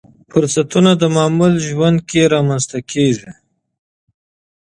فرصتونه د معمول ژوند کې رامنځته کېږي.